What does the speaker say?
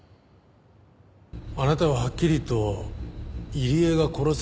あなたははっきりと「入江が殺された」って言ってた。